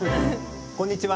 こんにちは。